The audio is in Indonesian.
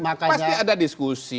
pasti ada diskusi